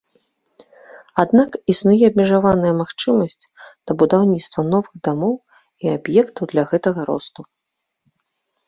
Аднак існуе абмежаваная магчымасць да будаўніцтва новых дамоў і аб'ектаў для гэтага росту.